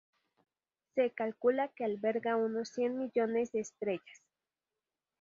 Se calcula que alberga unos cien millones de estrellas.